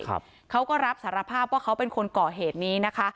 เขาก็รับสารภาพว่าเขาเป็นคนก่อเหตุนี้นะคะ